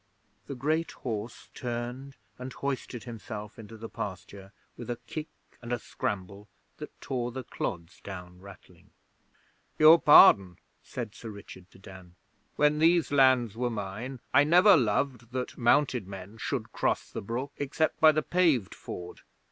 The great horse turned and hoisted himself into the pasture with a kick and a scramble that tore the clods down rattling. 'Your pardon!' said Sir Richard to Dan. 'When these lands were mine, I never loved that mounted men should cross the brook except by the paved ford.